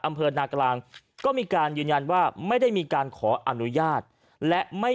อำเภอนากลางก็มีการยืนยันว่าไม่ได้มีการขออนุญาตและไม่